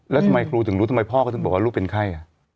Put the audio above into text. แล้วทำไมครูถึงรู้ทำไมพ่อก็ถึงบอกว่าลูกเป็นไข้